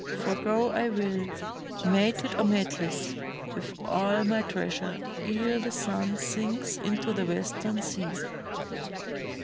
For go I will, mated or mateless, with all my treasure, ere the sun sinks into the western sea."